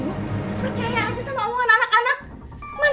percaya aja sama om anak anak